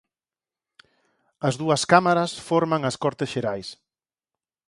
As dúas cámaras forman as Cortes Xerais.